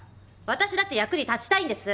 私だって役に立ちたいんです。